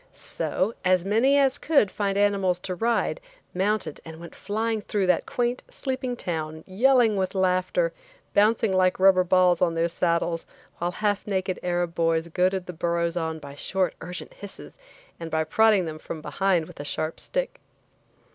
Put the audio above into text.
So, as many as could find animals to ride, mounted and went flying through that quaint, sleeping town, yelling with laughter, bouncing like rubber balls on their saddles, while half naked Arab boys goaded the burros on by short, urgent hisses, and by prodding them from behind with a sharp stick.